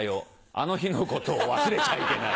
あの日の事を忘れちゃいけない。